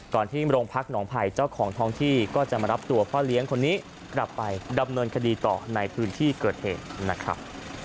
ที่โรงพักหนองภัยเจ้าของท้องที่ก็จะมารับตัวพ่อเลี้ยงคนนี้กลับไปดำเนินคดีต่อในพื้นที่เกิดเหตุนะครับ